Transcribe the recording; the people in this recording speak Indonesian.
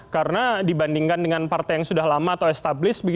karena dibandingkan dengan partai yang sudah lama atau established